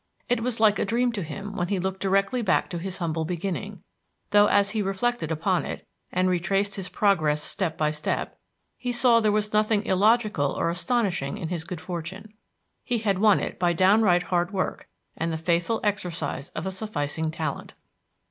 It was like a dream to him when he looked directly back to his humble beginning, though as he reflected upon it, and retraced his progress step by step, he saw there was nothing illogical or astonishing in his good fortune. He had won it by downright hard work and the faithful exercise of a sufficing talent.